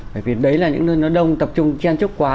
bởi vì đấy là những nơi nó đông tập trung chen trúc quá